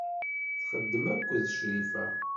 Txeddem akked Crifa.